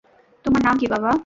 তোমার নাম কী, বাবা?